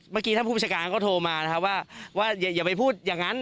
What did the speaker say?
เมื่อกี้ท่านผู้ประชาการเขาโทรมานะครับว่าอย่าไปพูดอย่างนั้น